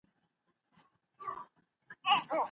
ستاسو تخلص چيشي دی؟